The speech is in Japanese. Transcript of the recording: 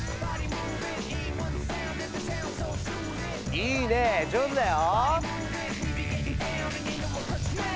いいね上手だよ。